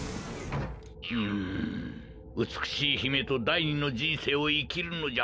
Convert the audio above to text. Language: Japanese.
うんうつくしいひめとだい２のじんせいをいきるのじゃ。